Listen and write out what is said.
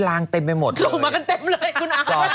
รถไฟฟ้าด้วย